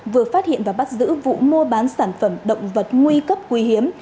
vừa phát hiện và bắt giữ vụ mua bán sản phẩm động vật nguy cấp quý hiếm